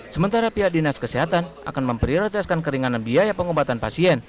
sementara pihak dinas kesehatan akan memprioritaskan keringanan biaya pengobatan pasien